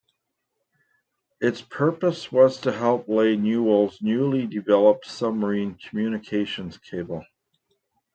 Its purpose was to help lay Newall's newly developed submarine communications cable.